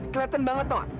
keliatan banget tau gak